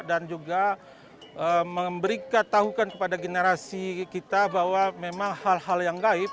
dan juga memberikan tahukan kepada generasi kita bahwa memang hal hal yang gaib